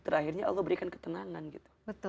terakhirnya allah berikan ketenangan gitu